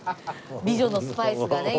美女のスパイスがね